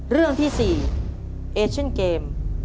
เรื่องที่๔เอเชียนเกม